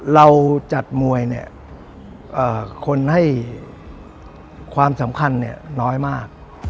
เราจัดมวยเนี่ยคนให้ความสำคัญน้อยมาก